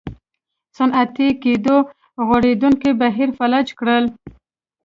صنعتي کېدو غوړېدونکی بهیر فلج کړل.